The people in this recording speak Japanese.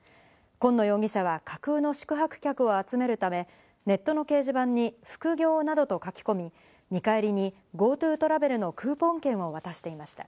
紺野容疑者は集めるため、ネットの掲示板に「副業」などと書き込み、見返りにＧｏＴｏトラベルのクーポン券を渡していました。